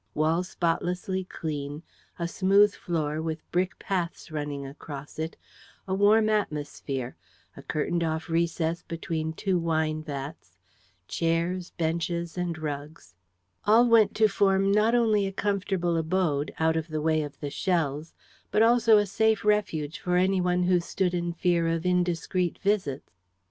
Walls spotlessly clean, a smooth floor with brick paths running across it, a warm atmosphere, a curtained off recess between two wine vats, chairs, benches and rugs all went to form not only a comfortable abode, out of the way of the shells, but also a safe refuge for any one who stood in fear of indiscreet visits.